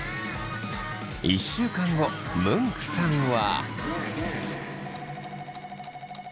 １週間後ムンクさんは。